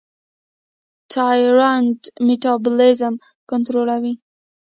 تایرویډ میټابولیزم کنټرولوي.